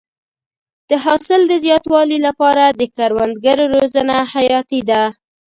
د حاصل د زیاتوالي لپاره د کروندګرو روزنه حیاتي ده.